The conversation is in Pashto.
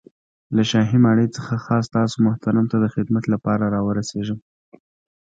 له شاهي ماڼۍ څخه خاص تاسو محترم ته د خدمت له پاره را ورسېږم.